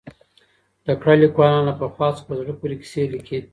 تکړه ليکوالان له پخوا څخه په زړه پوري کيسې ليکي.